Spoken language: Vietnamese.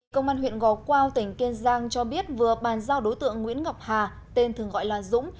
công an huyện gò quao tỉnh kiên giang cho biết vừa bàn giao đối tượng nguyễn ngọc hà tên thường gọi là dũng